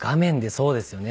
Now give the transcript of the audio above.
そうですよね